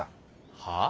はあ？